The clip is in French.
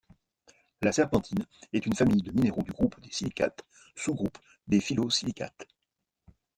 La serpentine est une famille de minéraux du groupe des silicates, sous-groupe des phyllosilicates.